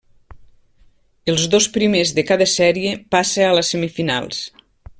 Els dos primers de cada sèrie passa a les semifinals.